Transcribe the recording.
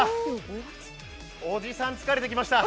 おじさん、疲れてきました。